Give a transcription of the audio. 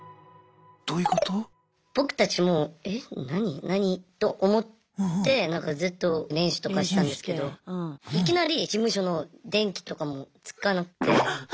僕たちも「え何？何？」と思ってずっと練習とかしてたんですけどいきなり事務所の電気とかもつかなくて。